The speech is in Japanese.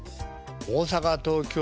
大阪東京